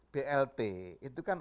blt itu kan